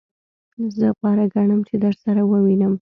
زه غوره ګڼم چی درسره ووینم.